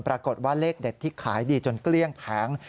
ปรากฏว่าเลขเด็ดที่ขายดีจนเกลี้ยงแผง